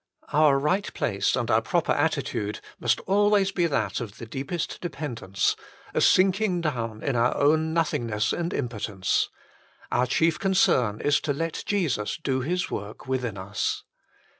Our right place and our proper attitude must always be that of the deepest dependence, a sinking down in our own nothingness and impotence. Our chief concern is to let Jesus do His work within us.